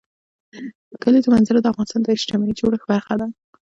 د کلیزو منظره د افغانستان د اجتماعي جوړښت برخه ده.